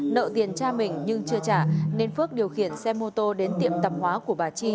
nợ tiền cha mình nhưng chưa trả nên phước điều khiển xe mô tô đến tiệm tạp hóa của bà chi